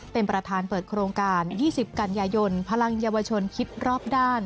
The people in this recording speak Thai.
เป็นประธานเปิดโครงการ๒๐กันยายนพลังเยาวชนคิดรอบด้าน